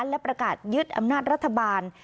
และประกาศยึดอำนาจรัฐบาล